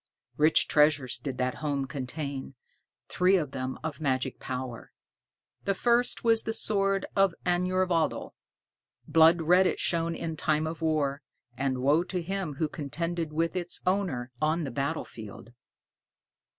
Rich treasures did that home contain, three of them of magic power. The first was the sword of Angurvadel. Blood red it shone in time of war, and wo to him who contended with its owner on the battle field.